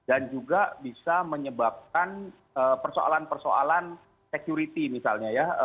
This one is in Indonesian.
juga bisa menyebabkan persoalan persoalan security misalnya ya